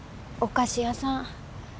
お菓子屋さん。